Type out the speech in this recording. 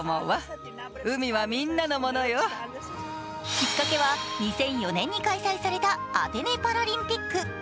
きっかけは２００４年に開催されたアテネパラリンピック。